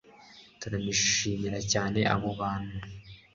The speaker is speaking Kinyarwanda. turashimira cyane abo bantu